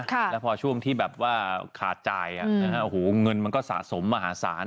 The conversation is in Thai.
ค่ะแล้วพอช่วงที่แบบว่าขาดจ่ายอ่ะอืมนะฮะโหเงินมันก็สะสมมหาศาล